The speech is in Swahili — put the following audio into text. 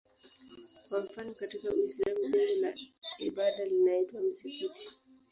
Kwa mfano katika Uislamu jengo la ibada linaitwa msikiti.